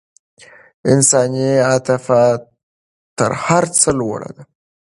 انساني عاطفه تر هر څه لوړه ده.